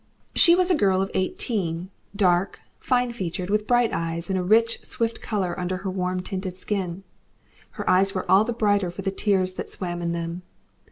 She was a girl of eighteen, dark, fine featured, with bright eyes, and a rich, swift colour under her warm tinted skin. Her eyes were all the brighter for the tears that swam in them.